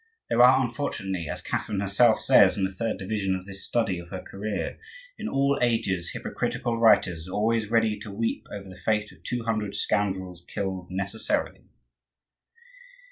There are, unfortunately, as Catherine herself says in the third division of this Study of her career, "in all ages hypocritical writers always ready to weep over the fate of two hundred scoundrels killed necessarily."